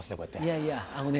いやいやあのね